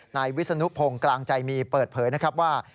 นายวิศนุพงศ์กลางใจมีเปิดเผยนะครับว่า